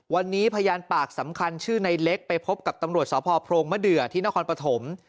วันนี้พยานปากสำคัญชื่อในเล็กไปพบกับตำรวจสพโพรงมะเดือที่นครปฐม